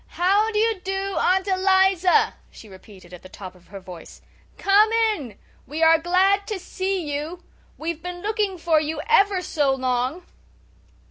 "How do you do, Aunt Eliza," she repeated at the top of her voice. "Come in we are glad to see you. We've been looking for you for ever so long."